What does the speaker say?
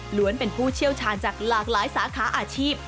้วนเป็นผู้เชี่ยวชาญจากหลากหลายสาขาอาชีพ